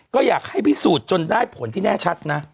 ก็อยากให้พิสูจน์จนได้ผลที่แน่ชัดนะ